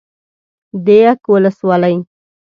ديک ولسوالي